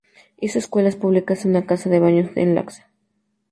Hizo escuelas públicas y una casa de baños en la Laxe.